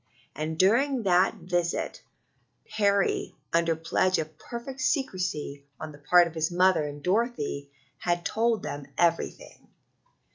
And during that visit Harry, under pledge of perfect secrecy on the part of his mother and Dorothy, had told them everything.